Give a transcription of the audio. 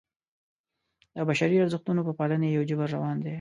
د بشري ارزښتونو په پالنې یو جبر روان دی.